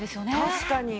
確かに。